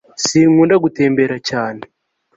sinkunda gutembera cyane